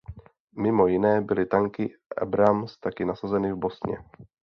Mimo jiné byly tanky Abrams taky nasazeny v Bosně.